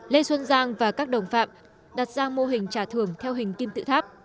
lê xuân giang và các đồng phạm đặt ra mô hình trả thưởng theo hình kim tự tháp